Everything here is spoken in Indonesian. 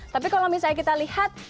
tapi kalau misalnya kita lihat